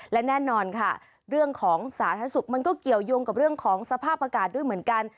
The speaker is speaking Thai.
และแน่นอนค่ะเรื่องของสาธารณสุขมันก็เกี่ยวยงกับเรื่องของสภาพอากาศด้วยเหมือนกัน